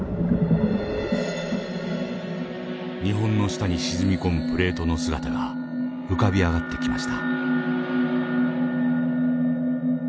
日本の下に沈み込むプレートの姿が浮かび上がってきました。